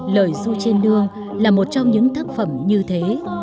lời du trên nương là một trong những tác phẩm như thế